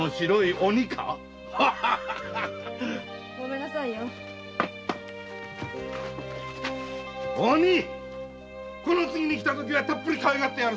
鬼今度来た時たっぷりかわいがってやる。